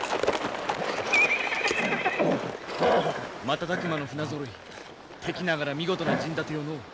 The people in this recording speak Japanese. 瞬く間の船ぞろい敵ながら見事な陣立てよのう。